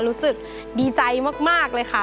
รู้สึกดีใจมากเลยค่ะ